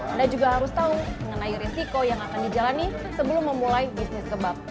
anda juga harus tahu mengenai risiko yang akan dijalani sebelum memulai bisnis kebab